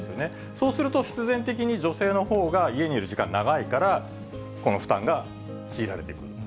そうすると、必然的に女性のほうが家にいる時間長いから、この負担が強いられていくと。